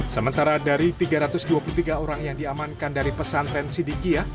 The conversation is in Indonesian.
sementara dari tiga ratus dua puluh tiga orang yang diamankan dari pesantren sidikiah